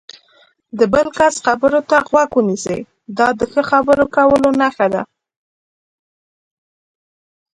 د بل کس خبرو ته غوږ ونیسئ، دا د ښه خبرو کولو نښه ده.